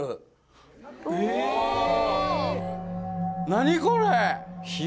何これ？